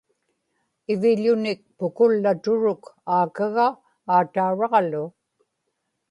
iviḷunik pukullaturuk aakaga aatauraġalu